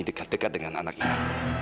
dekat dekat dengan anak ini